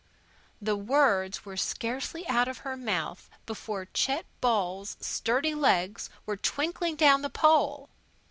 The words were scarcely out of her mouth before Chet Ball's sturdy legs were twinkling down the pole.